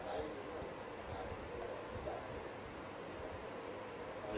สวัสดีทุกคน